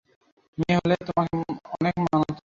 মেয়ে হলে তোমাকে অনেক মানাতো।